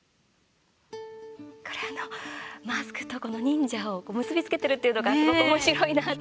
これ、あのマスクと忍者を結び付けてるっていうのがすごくおもしろいなって。